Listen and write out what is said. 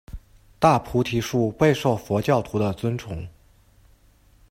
大菩提树备受佛教徒的尊崇。